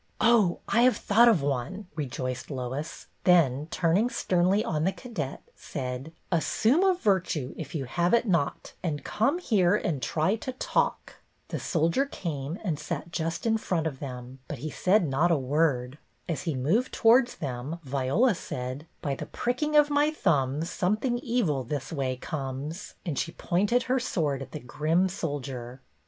" Oh, I have thought of one," rejoiced Lois, then turning sternly on the cadet, said, — "Assume a virtue if you have it not, and come here and try to talk." The soldier came, and sat just in front of tliem ; but he said not a word. As he moved towards them Viola said, —" By the pricking of my thumbs, something evil this way comes;" and she pointed her THE MAS(^ERADE 247 sword at the grim soldier.